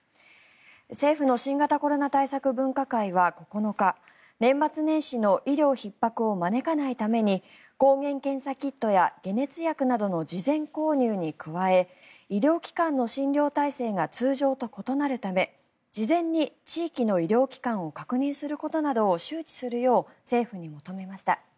政府の新型コロナ対策分科会は９日年末年始の医療ひっ迫を招かないために抗原検査キットや解熱薬などの事前購入に比べ医療機関の診療体制が通常と異なるため事前に地域の医療機関を確認することなどを周知するよう政府に求めました。